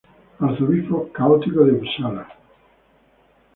Arzobispo católico de Upsala.